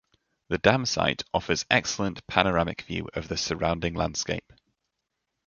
The dam site offers excellent panoramic view of the surrounding landscape.